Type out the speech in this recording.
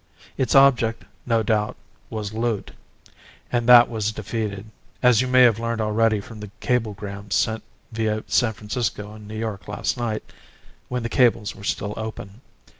Its object, no doubt, was loot, and that was defeated, as you may have learned already from the cablegram sent via San Francisco and New York last night, when the cables were still open.